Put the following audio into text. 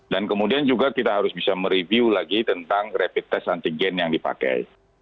kemudian juga kita harus bisa mereview lagi tentang rapid test antigen yang dipakai